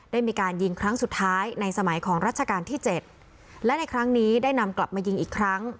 ได้มีการยิงครั้งสุดท้ายในสมัยของรัชกาลที่เจ็ดและในครั้งนี้ได้นำกลับมายิงอีกครั้ง